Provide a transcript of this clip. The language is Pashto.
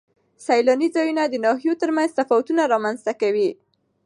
سیلاني ځایونه د ناحیو ترمنځ تفاوتونه رامنځ ته کوي.